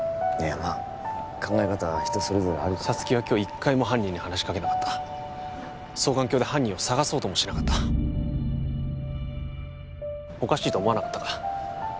まあ考え方は人それぞれあるから沙月は今日１回も犯人に話しかけなかった双眼鏡で犯人を捜そうともしなかったおかしいと思わなかったか？